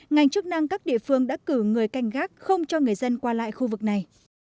ngành chức năng các địa phương đã cử người canh gác không cho người dân qua lại khu vực này